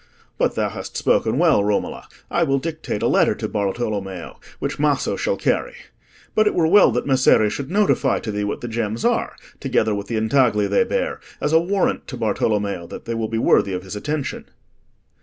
But thou hast spoken well, Romola. I will dictate a letter to Bartolommeo, which Maso shall carry. But it were well that Messere should notify to thee what the gems are, together with the intagli they bear, as a warrant to Bartolommeo that they will be worthy of his attention."